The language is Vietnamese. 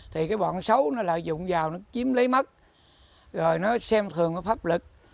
thì cái bọn xấu nó lại dụng vào nó chiếm lấy mất rồi nó xem thường pháp lực